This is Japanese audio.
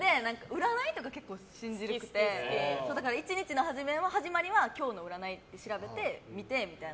占いとか結構信じるんで１日の始まりは今日の占いって調べて、見てとか。